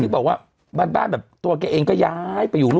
บอกว่าบ้านแบบตัวแกเองก็ย้ายไปอยู่